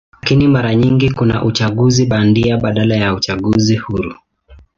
Lakini mara nyingi kuna uchaguzi bandia badala ya uchaguzi huru.